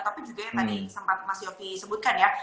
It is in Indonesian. tapi juga yang tadi sempat mas yofi sebutkan ya